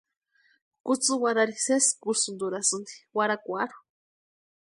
Kutsï warhari sési kusïnturhasïni warhakwarhu.